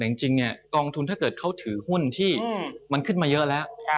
แต่จริงเนี่ยกองทุนถ้าเกิดเขาถือหุ้นที่มันขึ้นมาเยอะแล้ว